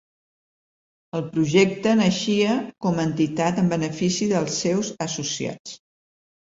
El projecte naixia com entitat en benefici dels seus associats.